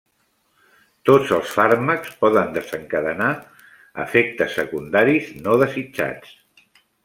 Tots els fàrmacs poden desencadenar efectes secundaris no desitjats.